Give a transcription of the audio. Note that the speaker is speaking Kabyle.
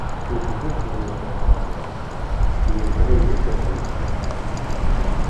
Seǧǧdet sdat Umeɣlal, deg ufrag-is iqedsen.